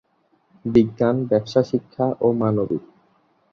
বিজ্ঞান, ব্যবসা শিক্ষা ও মানবিক।